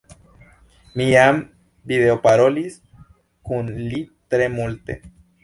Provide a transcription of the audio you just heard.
Mi jam videoparolis kun li tre multe.